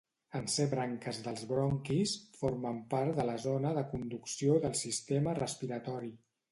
En ser branques dels bronquis, formen part de la zona de conducció del sistema respiratori.